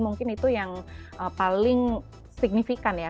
mungkin itu yang paling signifikan ya